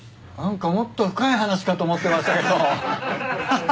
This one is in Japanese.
何かもっと深い話かと思ってましたけど。